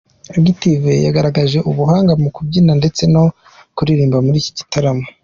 Active yagaragaje ubuhanga mu kubyina ndetse no kuririmba muri iki gitaramo.